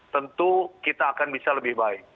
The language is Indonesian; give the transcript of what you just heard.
tentu kita akan bisa lebih baik